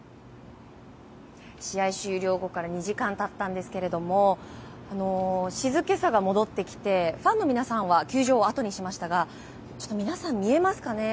試合終了後から２時間経ったんですけれども静けさが戻ってきてファンの皆さんは球場を後にしましたが皆さん、見えますかね。